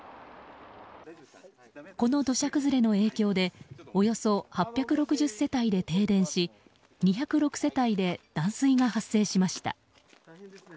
この土砂崩れの影響でおよそ８６０世帯で停電し２０６世帯で断水が発生しました。